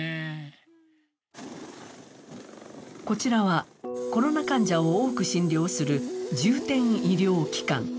こちらはコロナ患者を多く診療する重点医療機関。